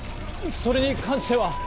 それに関しては。